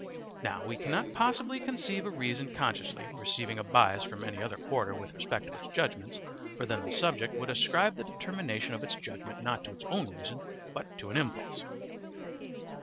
Now we cannot possibly conceive a reason consciously receiving a bias from any other quarter with respect to its judgements, for then the subject would ascribe the determination of its judgement not to its own reason, but to an impulse.